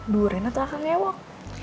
duren itu akan ewok